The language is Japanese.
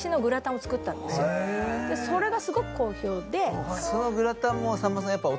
それがすごく好評で。